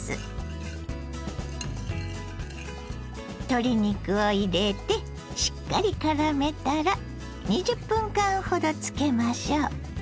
鶏肉を入れてしっかりからめたら２０分間ほどつけましょう。